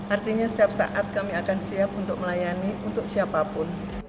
artinya setiap saat kami akan siap untuk melayani untuk siapapun